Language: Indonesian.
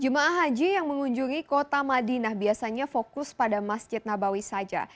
jemaah haji yang mengunjungi kota madinah biasanya fokus pada masjid nabawi saja